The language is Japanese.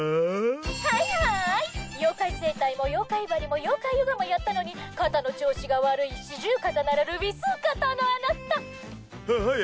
ハイハーイ妖怪整体も妖怪鍼も妖怪ヨガもやったのに肩の調子が悪い四十肩ならぬウィスー肩のあなた。ははい